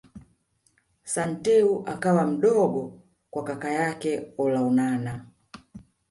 Santeu akawa mdogo kwa kaka yake Olonana